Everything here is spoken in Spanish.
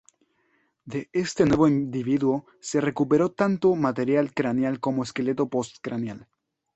De este nuevo individuo se recuperó tanto material craneal como esqueleto postcraneal.